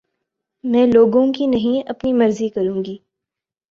میں لوگوں کی نہیں اپنی مرضی کروں گی